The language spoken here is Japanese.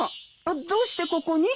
どうしてここに？